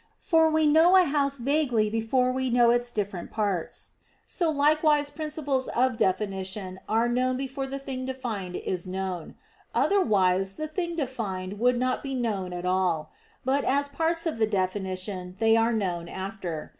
For we know a house vaguely before we know its different parts. So likewise principles of definition are known before the thing defined is known; otherwise the thing defined would not be known at all. But as parts of the definition they are known after.